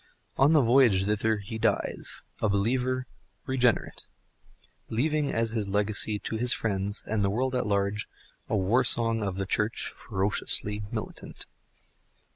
On the voyage thither he dies, a believer, regenerate, leaving as legacy to his friends and the world at large a war song of the Church (ferociously) Militant.